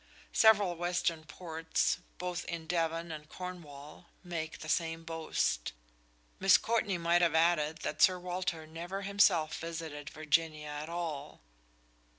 Several western ports, both in Devon and Cornwall, make the same boast." Miss Courtney might have added that Sir Walter never himself visited Virginia at all.